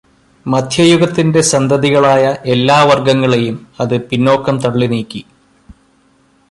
മദ്ധ്യയുഗത്തിന്റെ സന്തതികളായ എല്ലാ വർഗ്ഗങ്ങളേയും അതു് പിന്നോക്കം തള്ളിനീക്കി.